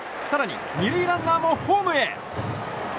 更に２塁ランナーもホームへ。